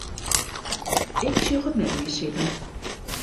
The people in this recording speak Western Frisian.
Ik sjoch it net mear sitten.